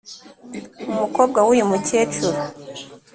umukobwa w’uyu mukecuru